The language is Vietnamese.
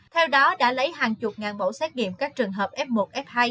theo đó đã lấy hàng chục ngàn mẫu xét nghiệm các trường hợp f một f hai